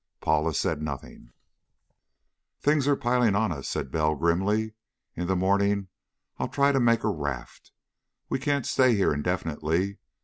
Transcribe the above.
Paula said nothing. "Things are piling on us," said Bell grimly. "In the morning I'll try to make a raft. We can't stay here indefinitely.